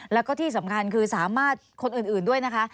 แล้วก็ที่สำคัญคือสามารถคนอื่นด้วยนะคะ